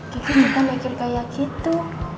gigi bukan mikir kayak gitu